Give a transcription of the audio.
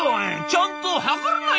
ちゃんと測れないんよ」。